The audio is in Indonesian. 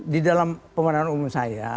di dalam pemenangan umum saya